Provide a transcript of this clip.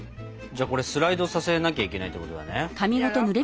じゃあこれスライドさせなきゃいけないってことだね。